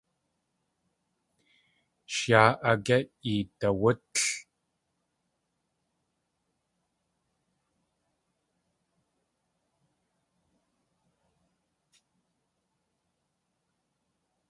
Sh yáa ágé idawútl?